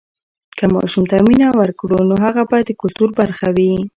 که ماشوم ته مینه ورکړو، نو هغه به د کلتور برخه وي.